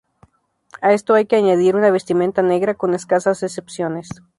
A esto hay que añadir una vestimenta negra; con escasas excepciones.